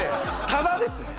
ただですね